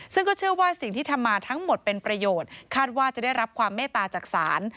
ซึ่งก็เชื่อว่าสิ่งที่ทำมาทั้งหมดเป็นประโยชน์คาดว่าจะได้รับความเมตตาจากศาล